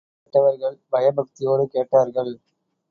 கேட்டவர்கள், பயபக்தியோடு கேட்டார்கள்.